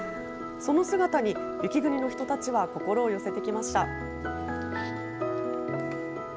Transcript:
その姿に雪国の人たちは心を寄せてきました。